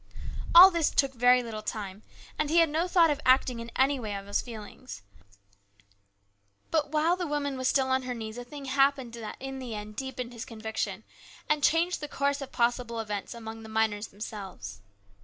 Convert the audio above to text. All this took very little time, and he had no thought of acting in any way on his feelings. But while the woman was still on her knees a thing happened that in the end deepened his conviction, and changed the course of possible events among the miners themselves.